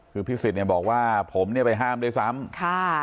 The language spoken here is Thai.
คือพิศิษฐ์บอกว่าผมไปห้ามด้วยซ้ำ